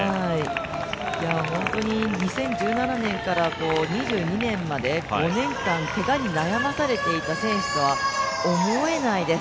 本当に２０１７年から２２年まで５年間けがに悩まされていた選手とは思えないです。